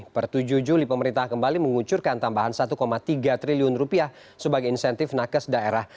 pertujuh juli pemerintah kembali menguncurkan tambahan satu tiga triliun rupiah sebagai insentif nakes daerah